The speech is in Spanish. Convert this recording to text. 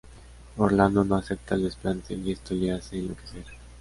Orlando no acepta el desplante y esto le hace enloquecer.